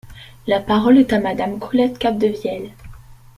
La parole est à Madame Colette Capdevielle.